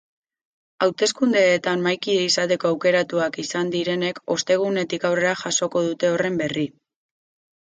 Hauteskundeetan mahaikide izateko aukeratuak izan direnek ostegunetik aurrera jasoko dute horren berri.